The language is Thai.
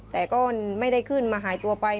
แต่ก็ไม่ได้ขึ้นมาหายตัวไป